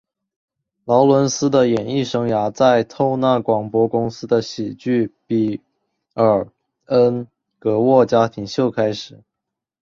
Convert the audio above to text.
劳伦斯的演艺生涯在透纳广播公司的喜剧比尔恩格沃家庭秀开始。